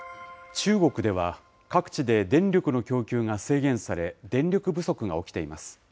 中国では、各地で電力の供給が制限され、電力不足が起きています。